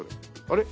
あれ？